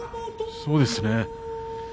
そうですね。